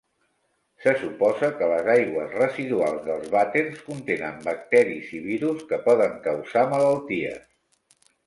Se suposa que les aigües residuals dels vàters contenen bacteris i virus que poden causar malalties.